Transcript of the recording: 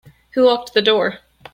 Who locked the door?